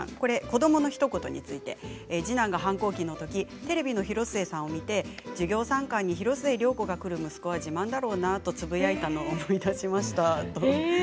子どものひと言について次男が反抗期のときテレビの広末さんを見て授業参観に広末涼子が来る息子は自慢だろうなとつぶやいたのを思い出しました。